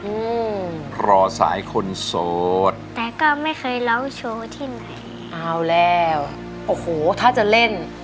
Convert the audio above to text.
อืมรอสายคนโสดแต่ก็ไม่เคยเล่าโชว์ที่ไหนเอาแล้วโอ้โหถ้าจะเล่น